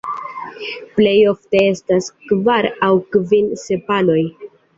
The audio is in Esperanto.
Plej ofte estas kvar aŭ kvin sepaloj.